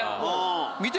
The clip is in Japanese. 見て！